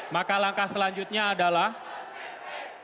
maka langkah selanjutnya adalah memberikan kesempatan kepada pasangan calon